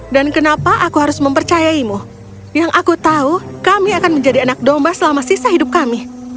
dan kenapa aku harus mempercayaimu yang aku tahu kami akan menjadi anak domba selama sisa hidup kami